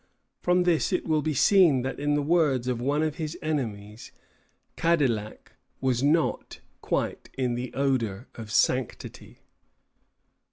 From this it will be seen that, in the words of one of his enemies, Cadillac "was not quite in the odor of sanctity."